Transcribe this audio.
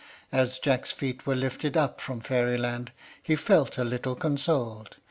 As Jack's feet were lifted up from Fairyland he felt a little consoled.